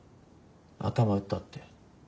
頭打ったって。